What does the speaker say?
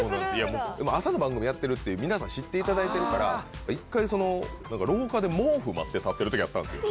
朝の番組やってるって、皆さん、知っていただいてるから、一回廊下で毛布持って立ってるときあったんですよ。